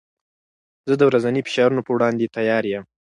زه د ورځني فشارونو پر وړاندې تیار یم.